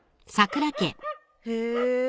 へえ。